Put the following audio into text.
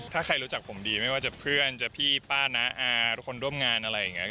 ถ้าใครรู้จักผมดีไม่ว่าจะเพื่อนจะพี่ป้าน้าอาทุกคนร่วมงานอะไรอย่างนี้